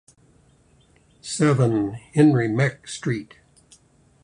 Seven, Henri Meck street